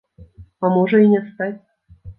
А можа і не стаць.